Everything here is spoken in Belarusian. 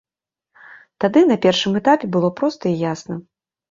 Тады, на першым этапе, было проста і ясна.